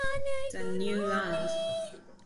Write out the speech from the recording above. The Newlands coal mine is in the south of the locality.